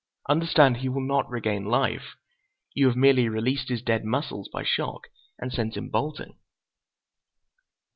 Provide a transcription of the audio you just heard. Understand, he will not regain life. You have merely released his dead muscles by shock, and sent him bolting."